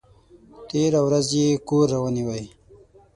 تېره ورځ یې کور رانیوی!